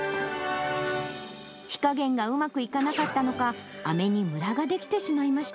火加減がうまくいかなかったのか、あめにむらが出来てしまいました。